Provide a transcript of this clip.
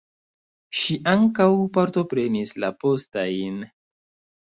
Ŝi ankaŭ partoprenis la postajn.